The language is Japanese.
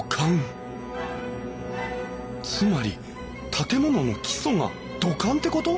つまり建物の基礎が土管ってこと！？